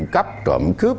cấp trộm cướp